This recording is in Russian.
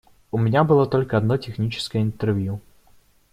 У меня было только одно техническое интервью.